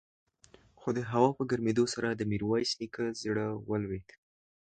خو د هوا په ګرمېدو سره د ميرويس نيکه زړه ولوېد.